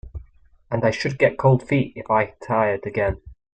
And I should get cold feet if I tried again.